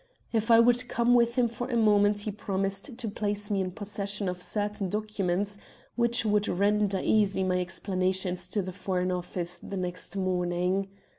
If I would come with him for a moment he promised to place me in possession of certain documents which would render easy my explanations to the Foreign Office next morning.